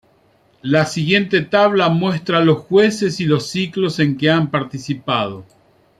La siguiente tabla muestra los jueces y los ciclos en que han participado